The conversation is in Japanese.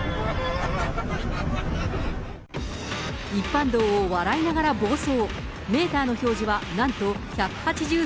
一般道を笑いながら暴走。